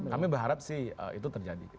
kami berharap sih itu terjadi